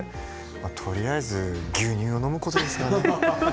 とりあえず牛乳を飲むことですかね。